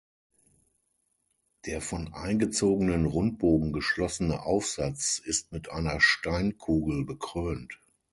Der von eingezogenen Rundbogen geschlossene Aufsatz ist mit einer Steinkugel bekrönt.